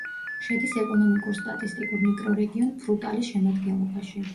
შედის ეკონომიკურ-სტატისტიკურ მიკრორეგიონ ფრუტალის შემადგენლობაში.